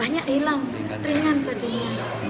banyak hilang ringan jadinya